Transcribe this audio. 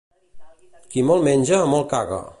Qui molt menja, molt caga.